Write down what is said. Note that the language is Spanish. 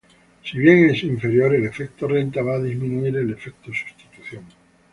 Si el bien es inferior, el efecto renta va a disminuir el efecto sustitución.